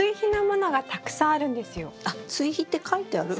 あっ「ついひ」って書いてある。